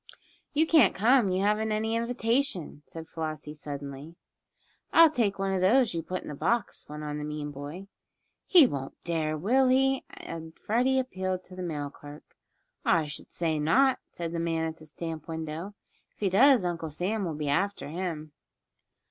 "You can't come you haven't any invitation," said Flossie, suddenly. "I'll take one of those you put in the box," went on the mean boy. "He won't dare will he?" and Freddie appealed to the mail clerk. "I should say not!" said the man at the stamp window. "If he does Uncle Sam will be after him."